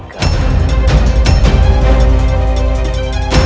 kita harus segera dapat menangkapnya